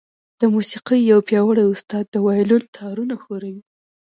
د موسيقۍ يو پياوړی استاد د وايلون تارونه ښوروي.